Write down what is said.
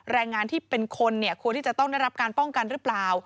แรงงานที่เป็นคนเนี่ยควรที่จะต้องได้รับการป้องกันหรือเปล่า